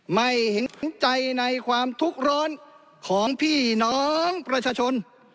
ไม่เห็นใจในความทุกข์ร้อนของพี่น้องประชาชน